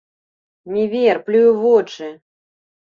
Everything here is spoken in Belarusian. Не вер, плюй у вочы!